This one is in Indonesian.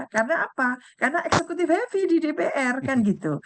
karena apa karena eksekutif heavy di dpr kan gitu